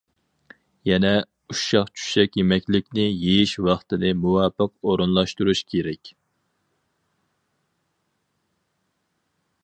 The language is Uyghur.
يەنە، ئۇششاق-چۈششەك يېمەكلىكنى يېيىش ۋاقتىنى مۇۋاپىق ئورۇنلاشتۇرۇش كېرەك.